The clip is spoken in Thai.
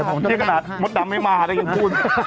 ว่าถ้าหมดดำไม่มาใช่งานพูด